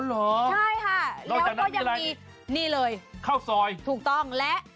เหรอใช่ค่ะแล้วก็ยังมีนี่เลยข้าวซอยถูกต้องและ